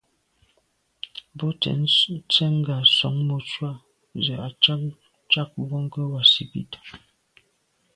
Bú tɛ̌n tsjə́ŋ ŋgà sɔ̀ŋ mùcúà zə̄ à'cák câk bwɔ́ŋkə́ʼ wàsìbítà.